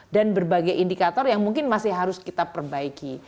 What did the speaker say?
dan berbagai indikator yang mungkin masih harus kita perbaiki